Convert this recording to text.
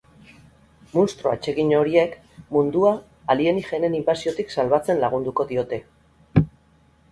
Munstro atsegin horiek mundua alienigenen inbasiotik salbatzen lagunduko diote.